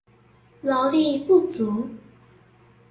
勞力不足